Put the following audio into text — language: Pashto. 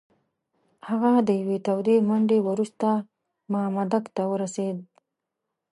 هغه د یوې تودې منډې وروسته مامدک ته ورسېد.